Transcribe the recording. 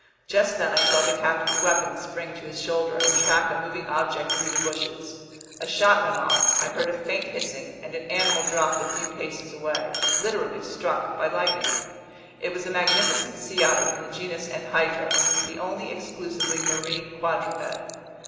Just then I saw the captain's weapon spring to his shoulder and track a moving object through the bushes. A shot went off, I heard a faint hissing, and an animal dropped a few paces away, literally struck by lightning. It was a magnificent sea otter from the genus Enhydra, the only exclusively marine quadruped.